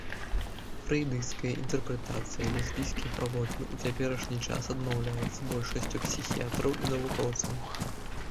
Фрэйдысцкая інтэрпрэтацыя лесбійскіх паводзін у цяперашні час адмаўляецца большасцю псіхіятраў і навукоўцаў.